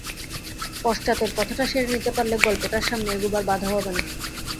পশ্চাতের কথাটা সেরে নিতে পারলে গল্পটার সামনে এগোবার বাধা হবে না।